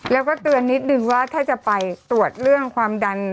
แล้วก็เตือนนิดนึงว่าถ้าจะไปตรวจเรื่องความดัน